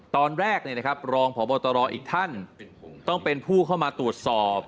ตอนแรกรองพบตรอีกท่านต้องเป็นผู้เข้ามาตรวจสอบ